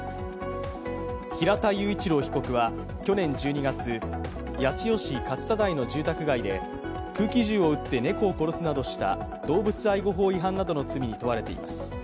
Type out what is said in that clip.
平田雄一郎被告は去年１２月、八千代市勝田台の住宅街で空気銃を撃って猫を殺すなどした動物愛護法違反などの罪に問われています。